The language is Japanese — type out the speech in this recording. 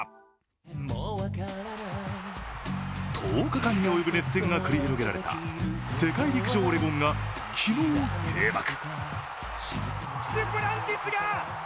１０日間に及ぶ熱戦が繰り広げられた世界陸上オレゴンが昨日、閉幕。